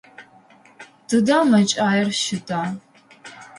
Тыдэ мэкӏаир щыта?